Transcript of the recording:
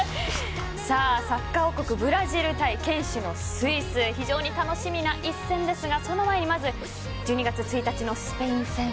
サッカー王国ブラジル対堅守のスイス非常に楽しみな一戦ですがその前にまず１２月１日のスペイン戦